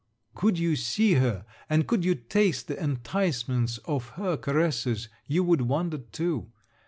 Could you see her, and could you taste the enticements of her caresses, you would wonder too.